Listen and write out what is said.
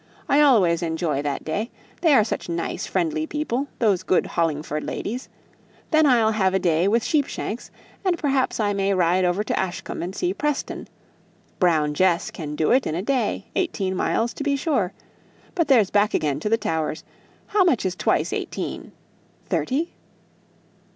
I always enjoy that day; they are such nice, friendly people, those good Hollingford ladies. Then I'll have a day with Sheepshanks, and perhaps I may ride over to Ashcombe and see Preston Brown Jess can do it in a day, eighteen miles to be sure! But there's back again to the Towers! how much is twice eighteen thirty?"